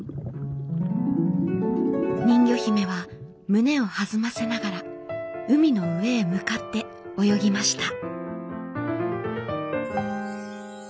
人魚姫は胸をはずませながら海の上へ向かって泳ぎました。